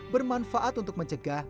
bermanfaat untuk mencegah rizal